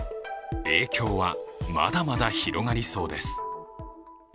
影響はまだまだ広がりそうです。